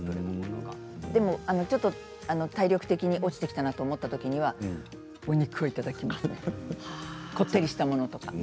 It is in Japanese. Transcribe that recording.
でもちょっと体力的に落ちてきたなと思ったときにはお肉をいただきますねこってりしたものとか。